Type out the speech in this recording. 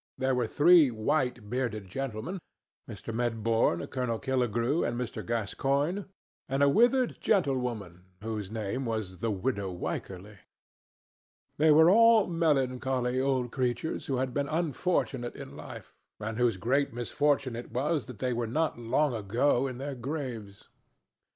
There were three white bearded gentlemen—Mr. Medbourne, Colonel Killigrew and Mr. Gascoigne—and a withered gentlewoman whose name was the widow Wycherly. They were all melancholy old creatures who had been unfortunate in life, and whose greatest misfortune it was that they were not long ago in their graves. Mr.